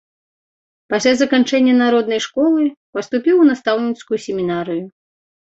Пасля заканчэння народнай школы, паступіў у настаўніцкую семінарыю.